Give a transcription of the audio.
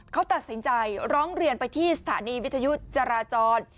เขาตัดสินใจร้องเรียนไปที่สถานีวิทยุจราจร